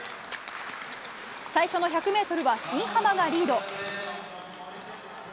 最初の１００ｍは新濱がリード。